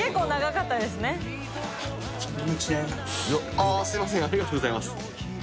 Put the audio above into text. あっすみませんありがとうございます。